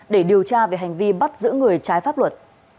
để điều tra về hành vi bắt giữ người trái pháp luật